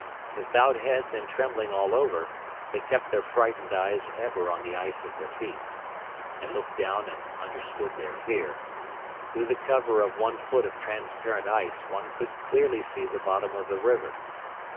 With bowed heads and trembling all over they kept their frightened eyes ever on the ice at their feet. I looked down and understood their fear. Through the cover of one foot of transparent ice one could clearly see the bottom of the river.